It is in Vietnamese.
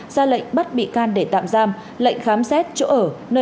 ra lệnh bắt bị can để tạm giam lệnh khám xét chỗ ở nơi